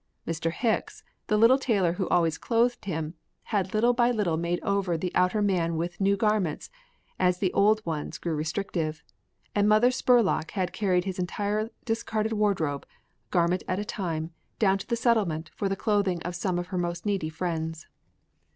Mr. Hicks, the little tailor who had always clothed him, had little by little made over the outer man with new garments as the old ones grew restrictive, and Mother Spurlock had carried his entire discarded wardrobe, garment at a time, down to the Settlement for the clothing of some of her most needy friends.